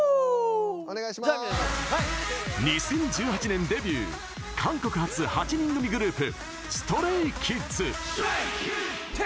２０１８年デビュー韓国発８人組グループＳｔｒａｙＫｉｄｓ。